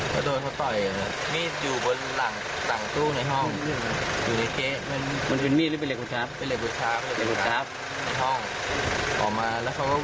ก็ดั้งการเข้าไปในห้องที่นักที่น่าเอกและเพื้อแผงความต่อกลูก